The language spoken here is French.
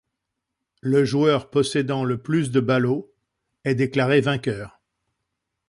Le joueur possédant le plus de ballots est déclaré vainqueur.